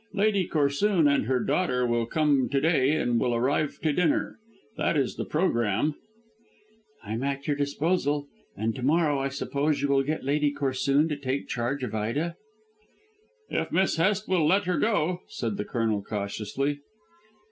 Lady Corsoon and her daughter will come to day, and will arrive to dinner. That is the programme." "I'm at your disposal. And to morrow I suppose you will get Lady Corsoon to take charge of Ida?" "If Miss Hest will let her go," said the Colonel cautiously.